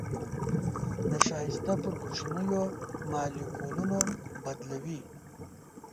نشایسته پر کوچنيو مالیکولونو بدلوي.